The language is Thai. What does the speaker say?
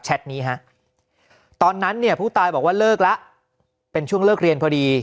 นี้ฮะตอนนั้นเนี่ยผู้ตายบอกว่าเลิกแล้วเป็นช่วงเลิกเรียนพอดี